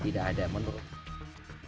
tidak ada menurut saya